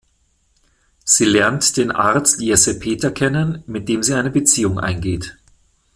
Sie lernt den Arzt Jesse Peter kennen, mit dem sie eine Beziehung eingeht.